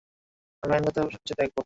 আমি আইনগতভাবে সবকিছু দেখব।